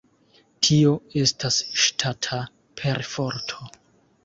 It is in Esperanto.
Tio estas ŝtata perforto.